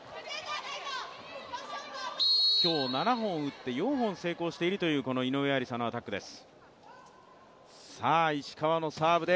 今日、７本打って４本成功している井上愛里沙のアタックです。